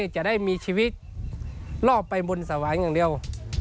จะได้มีชีวิตรอบไปบนสว่างอย่างเดียว